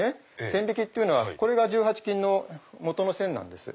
線引きっていうのはこれが１８金のもとの線なんです。